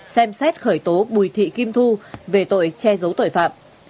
xem xét khởi tố bùi thị kim thu về tội che giấu tội phạm